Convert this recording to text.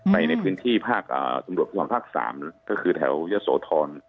ในพื้นที่ภาคตำรวจภูทรภาค๓ก็คือแถวยะโสธร